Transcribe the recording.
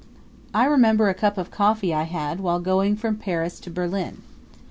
I remember a cup of coffee I had while going from Paris to Berlin.